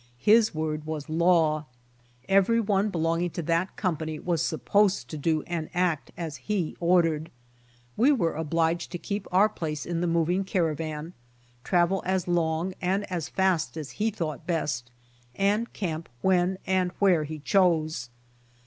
His word was law. Every one belonging to that company was supposed to do and act as he ordered. We were obliged to keep our place in the moving caravan, travel as long and as fast as he thought best, and camp when and where he chose.